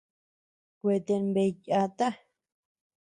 Kueten bea yáta.